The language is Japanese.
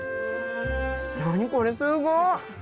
何これすごい！